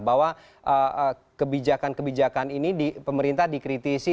bahwa kebijakan kebijakan ini pemerintah dikritisi